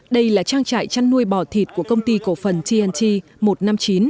đây là trang trại chăn nuôi bò thịt của công ty cổ phần tnt một trăm năm mươi chín